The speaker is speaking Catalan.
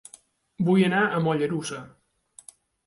Vull anar a Mollerussa